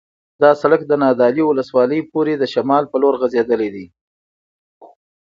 دا سرک د نادعلي ولسوالۍ پورې د شمال په لور غځېدلی دی